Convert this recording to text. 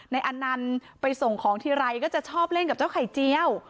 อันนั้นไปส่งของทีไรก็จะชอบเล่นกับเจ้าไข่เจียว